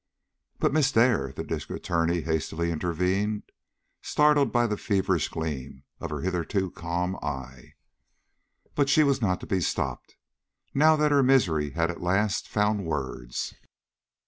"But, Miss Dare " the District Attorney hastily intervened, startled by the feverish gleam of her hitherto calm eye. But she was not to be stopped, now that her misery had at last found words.